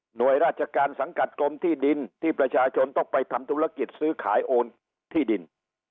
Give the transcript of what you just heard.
ราชการสังกัดกรมที่ดินที่ประชาชนต้องไปทำธุรกิจซื้อขายโอนที่ดิน